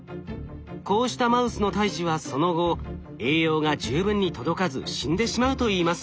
こうしたマウスの胎児はその後栄養が十分に届かず死んでしまうといいます。